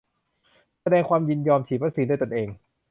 แสดงความยินยอมฉีดวัคซีนด้วยตนเอง